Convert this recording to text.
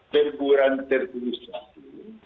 teguran tertulis satu